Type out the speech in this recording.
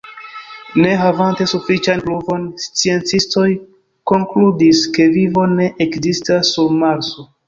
Ne havante sufiĉan pruvon, sciencistoj konkludis, ke vivo ne ekzistas sur Marso.